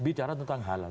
bicara tentang halal